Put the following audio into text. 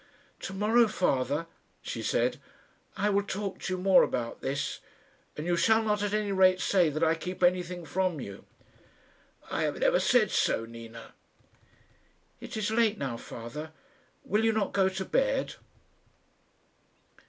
"To morrow father," she said, "I will talk to you more about this, and you shall not at any rate say that I keep anything from you." "I have never said so, Nina." "It is late now, father. Will you not go to bed?"